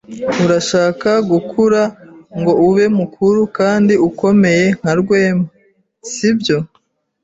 Urashaka gukura ngo ube mukuru kandi ukomeye nka Rwema, sibyo?